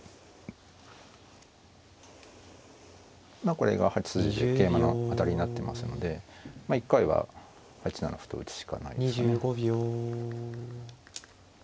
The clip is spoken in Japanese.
これが８筋で桂馬の当たりになってますので一回は８七歩と打つしかないですかね。